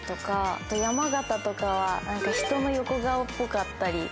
山形とかは人の横顔っぽかったり。